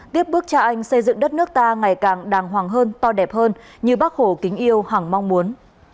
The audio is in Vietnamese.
tiếp bước cha anh xây dựng đất nước ta ngày càng đàng hoàng hơn to đẹp hơn như bác hồ kính yêu hẳng mong muốn